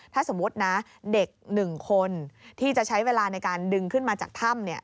ถ้าสมมุตินะเด็ก๑คนที่จะใช้เวลาในการดึงขึ้นมาจากถ้ำ